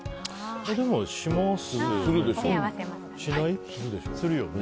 でも、しますよね。